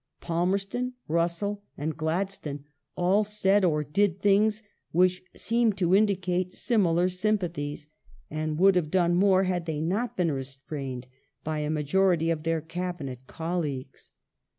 Palmerston, Russell, and Gladstone all said or did things which seemed to indicate similar sympathies, and would have done more had they not been restrained by a majority of their Cabinet colleagues.